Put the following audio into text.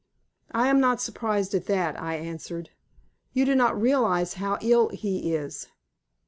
"I am not surprised at that," I answered; "you do not realize how ill he is."